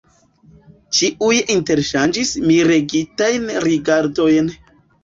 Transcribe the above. Ĉiuj interŝanĝis miregitajn rigardojn.